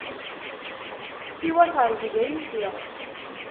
Siwa teṛẓeg ay ufiɣ.